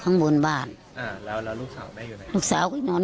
ข้างบนบ้านอ่าแล้วแล้วลูกสาวแม่อยู่แล้วลูกสาวก็นอน